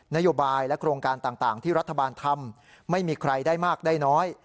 นโยบายและโครงการต่างที่รัฐบาลทำไม่มีใครได้มากได้น้อย